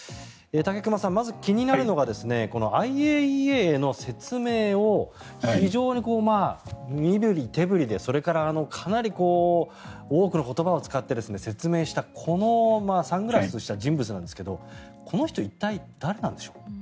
武隈さん、まず気になるのがＩＡＥＡへの説明を非常に身ぶり手ぶりでかなり多くの言葉を使って説明した、このサングラスをした人物なんですがこの人、一体誰なんでしょう？